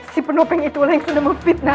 si penopeng itulah yang sudah memfitnah